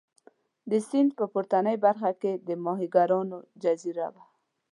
د سیند په پورتنۍ برخه کې د ماهیګیرانو جزیره وه.